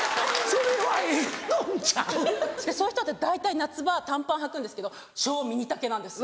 そういう人って大体夏場短パンはくんですけど超ミニ丈なんです。